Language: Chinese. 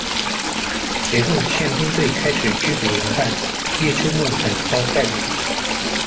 随后，宪兵队开始拘捕人犯，叶秋木等遭逮捕。